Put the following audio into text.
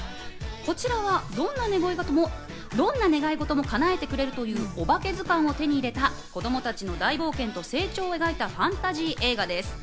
こちらはどんな願い事も叶えてくれるというおばけずかんを手に入れた子供たちの大冒険と成長を描いたファンタジー映画です。